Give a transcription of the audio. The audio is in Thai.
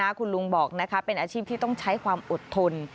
คุณลุงบอกนะคะเป็นอาชีพที่ต้องใช้ความอดทน